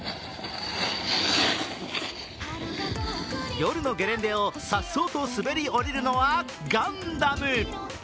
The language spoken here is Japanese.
夜のゲレンデを颯爽と滑り降りるのはガンダム。